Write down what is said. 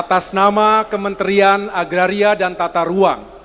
atas nama kementerian agraria dan tata ruang